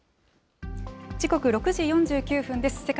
時刻６時４９分です。